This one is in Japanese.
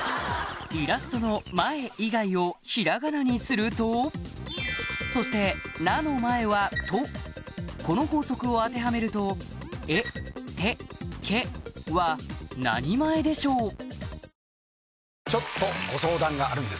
イラストの「前」以外を平仮名にするとそして「な」の前は「と」この法則を当てはめると「えてけ」は何前でしょう？